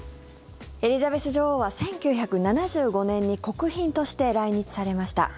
エリザベス女王は１９７５年に国賓として来日されました。